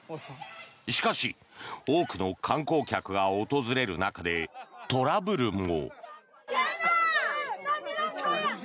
しかし、多くの観光客が訪れる中でトラブルも。